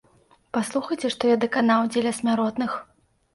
Паслухайце, што я даканаў дзеля смяротных.